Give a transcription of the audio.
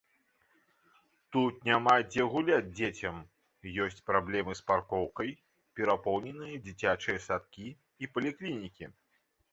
Тут няма дзе гуляць дзецям, ёсць праблемы з паркоўкай, перапоўненыя дзіцячыя садкі і паліклінікі.